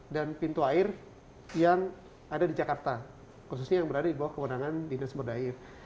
dan pintu air yang ada di jakarta khususnya yang berada di bawah kewenangan dinas merdair